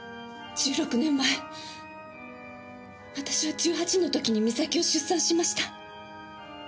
１６年前私は１８の時に美咲を出産しました。